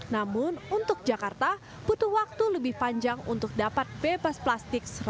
namun untuk jakarta butuh waktu lebih panjang untuk dapat bebas plastik